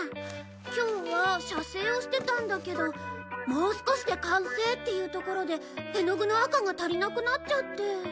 今日は写生をしてたんだけどもう少しで完成っていうところで絵の具の赤が足りなくなっちゃって。